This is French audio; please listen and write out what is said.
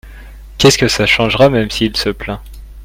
qu'est ce que ça changera même si il se plaint.